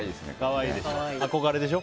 憧れでしょ？